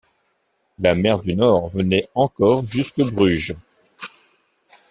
La Mer du Nord venait encore jusque Bruges.